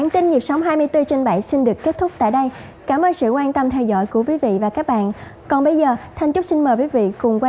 trong phần tiếp theo của chương trình